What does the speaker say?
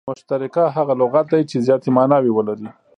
مشترک هغه لغت دئ، چي زیاتي ماناوي ولري.